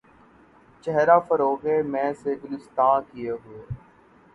چہرہ فروغِ مے سے گُلستاں کئے ہوئے